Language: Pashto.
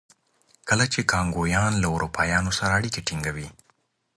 کله چې کانګویان له اروپایانو سره اړیکې ټینګوي.